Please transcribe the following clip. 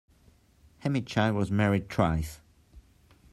Amichai was married twice.